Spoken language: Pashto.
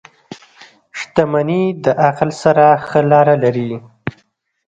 • شتمني د عقل سره ښه لاره لري.